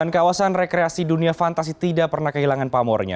dan kawasan rekreasi dunia fantasi tidak pernah kehilangan pamurnya